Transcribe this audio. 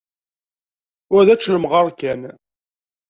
Wa d ačellemɣar kan.